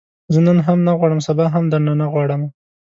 زه نن هم نه غواړم، سبا هم درنه نه غواړمه